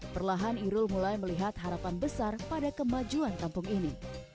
perlahan irul mulai melihat harapan besar pada kemajuan kampung ini